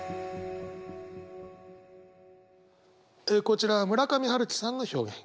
こちらは村上春樹さんの表現。